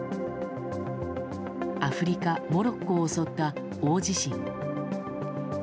アフリカ・モロッコを襲った大地震。